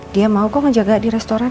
dia mau kok ngejaga di restoran